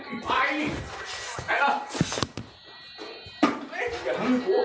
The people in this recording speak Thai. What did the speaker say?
ลุยอย่างพร้อม